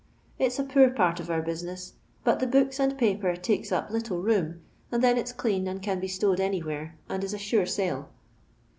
It's a poor part of our bu^iues9, but the books and paper takes up little rnoin, and then it's clean and can bo stowed anywhere, and is a sure sale.